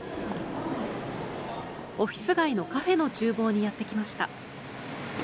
オフィス街のカフェの厨房にやってきました。